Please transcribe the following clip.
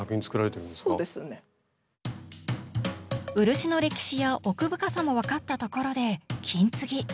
漆の歴史や奥深さも分かったところで金継ぎ。